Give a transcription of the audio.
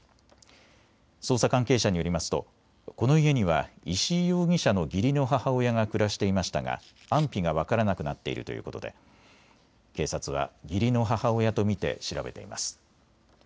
捜査関係者によりますとこの家には石井容疑者の義理の母親が暮らしていましたが安否が分からなくなっているということで警察は義理の母親と見て調べています。